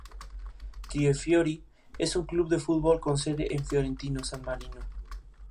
Tre Fiori es un club de fútbol con sede en Fiorentino, San Marino.